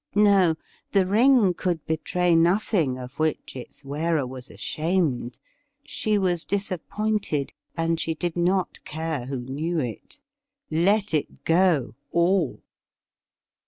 No ; the ring could betray nothing of which its wearer was ashamed. She was disappointed, and she did not care who knew it. Let it go — all